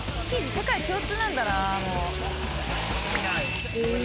世界共通なんだなもう。